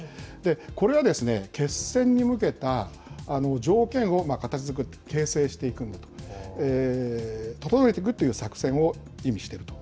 これはですね、決戦に向けた条件を形づくる、形成していく、整えていくという作戦を意味している。